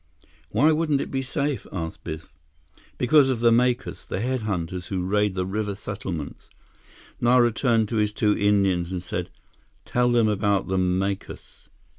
"Why wouldn't it be safe?" asked Biff. "Because of the Macus, the head hunters who raid the river settlements." Nara turned to his two Indians and said: "Tell them about the Macus."